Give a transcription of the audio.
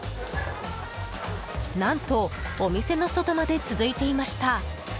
何と、お店の外まで続いていました。